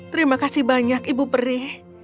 terima kasih banyak ibu peri